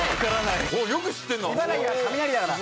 よく知ってんな！